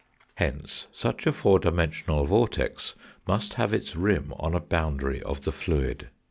Hence such a four dimensional vortex must have its rim on a boundary of the fluid.